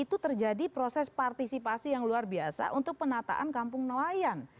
itu terjadi proses partisipasi yang luar biasa untuk penataan kampung nelayan